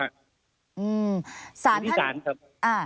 อืมสารท่านอยู่ที่สารครับ